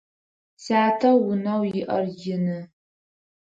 Сятэ унэу иӏэр ины.